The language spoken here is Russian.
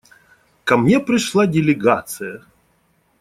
Ко мне пришла делегация.